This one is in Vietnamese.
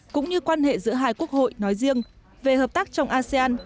cũng như quan hệ giữa hai quốc hội nói riêng về hợp tác trong asean